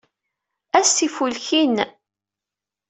Ass ifulkin!